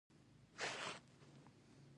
احمد اوس دومره ګټلې دي.